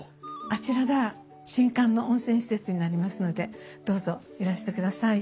あちらが新館の温泉施設になりますのでどうぞいらしてください。